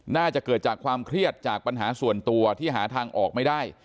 น่าจะเกิดจากความเครียดจากปัญหาส่วนตัวที่หาทางออกไม่ได้